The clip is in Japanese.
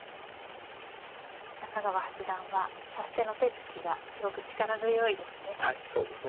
中川八段は指し手の手つきがすごく力強いですね。